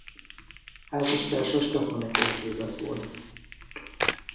Házastársa Stefanek Erzsébet volt.